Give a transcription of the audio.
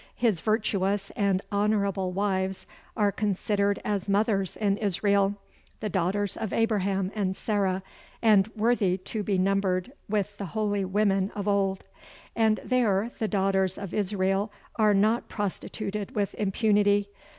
His virtuous and honourable wives are considered as mothers in Israel, the daughters of Abraham and Sarah, and worthy to be numbered with the holy women of old. And there the daughters of Israel are not prostituted with impunity.